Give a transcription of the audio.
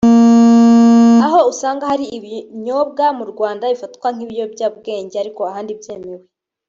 aho usanga hari ibinyobwa mu Rwanda bifatwa nk’ibiyobyabwenge ariko ahandi byemewe